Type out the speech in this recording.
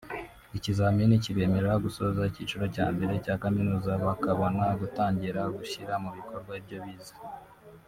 ikizamini kibemerera gusoza ikiciro cya mbere cya kaminuza bakabona gutangira gushyira mu bikorwa ibyo bize